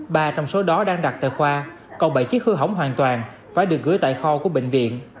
ba trong số đó đang đặt tại khoa còn bảy chiếc hư hỏng hoàn toàn phải được gửi tại kho của bệnh viện